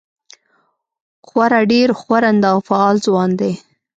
خورا ډېر ښورنده او فعال ځوان دی.